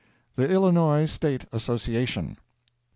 THE ILLINOIS STATE ASSOCIATION.